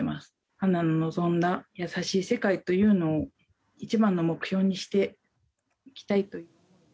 花の望んだ、優しい世界というのを一番の目標にしていきたいと。